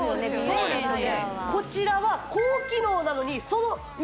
そうですね